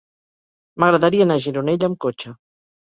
M'agradaria anar a Gironella amb cotxe.